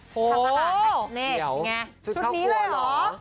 โหเดี๋ยวสุดคร้าวครัวเหรอ